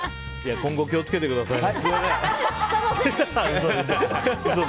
今後気を付けてくださいね。